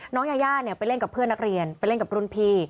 ยาย่าไปเล่นกับเพื่อนนักเรียนไปเล่นกับรุ่นพี่